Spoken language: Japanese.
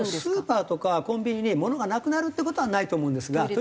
スーパーとかコンビニにものがなくなるっていう事はないと思うんですが。